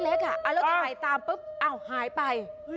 แล้วถ่ายตามปุ๊บอ้าวหายไป